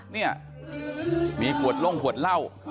เนี่ยมีขวดล่มขวดเหล้า